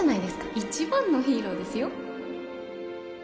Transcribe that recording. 一番のヒーローですよ